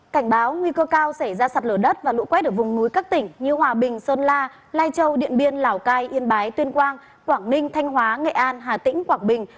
cảnh báo nguy cơ cao xảy ra sạt lở đất và lũ quét ở vùng núi các tỉnh như hòa bình sơn la lai châu điện biên lào cai yên bái tuyên quang quảng ninh thanh hóa nghệ an hà tĩnh quảng bình